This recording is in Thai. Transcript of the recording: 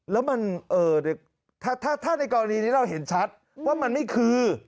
แล้วมันถ้าในกรณีนี้เราเห็นชัดว่ามันไม่คือ